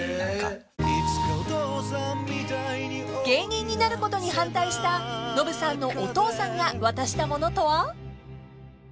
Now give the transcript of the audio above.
［芸人になることに反対したノブさんのお父さんが渡したものとは？］